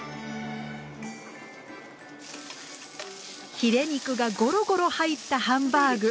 ヒレ肉がゴロゴロ入ったハンバーグ。